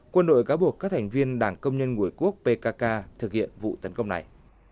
quân đội cáo buộc các thành viên đảng công nhân người quốc pkk thực hiện vụ tấn công này